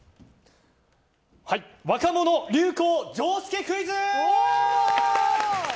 若者流行常識クイズ！